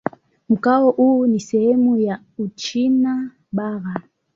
Mkoa huu ni sehemu ya Uchina Bara.